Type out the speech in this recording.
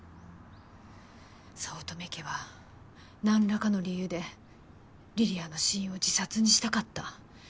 早乙女家は何らかの理由で梨里杏の死因を自殺にしたかった。